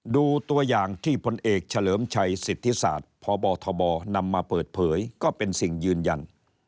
ดูตัวอย่างที่พลเอกเฉลิมชัยสิทธิศาสตร์พบทบนำมาเปิดเผยก็เป็นสิ่งยืนยัน